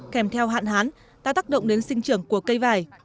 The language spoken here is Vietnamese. kèm theo hạn hán đã tác động đến sinh trưởng của cây vải